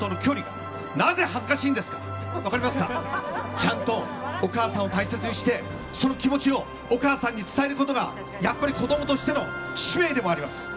ちゃんとお母さんを大切にしてその気持ちをお母さんに伝えることが子供としての使命でもあります。